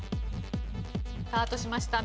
スタートしました。